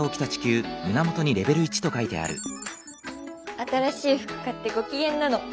新しい服買ってごきげんなの。